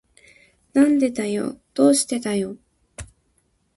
なんでだよ。どうしてだよ。